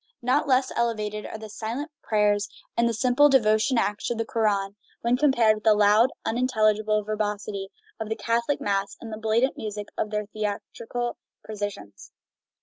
Not less elevated are the silent prayers and the simple devotional acts of the Koran when compared with the loud, unintelligible verbosity of the Catholic Mass and the blatant music of their theatrical processions.